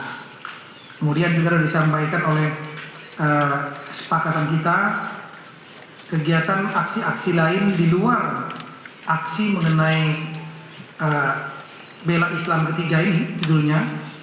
kemudian juga disampaikan oleh kesepakatan kita kegiatan aksi aksi lain di luar aksi mengenai bela islam ketiga ini judulnya